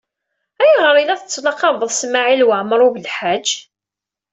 Ayɣer ay la tettlaqabeḍ Smawil Waɛmaṛ U Belḥaǧ?